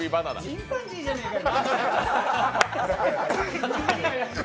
チンパンジーじゃねえかよ。